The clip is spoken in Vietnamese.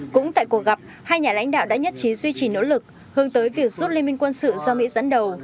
cũng tại cuộc gặp hai nhà lãnh đạo đã nhất trí duy trì nỗ lực hướng tới việc rút liên minh quân sự do mỹ dẫn đầu